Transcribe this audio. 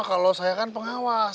kalau saya kan pengawas